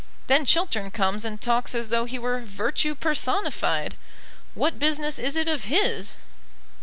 Then Chiltern comes and talks as though he were Virtue personified. What business is it of his?"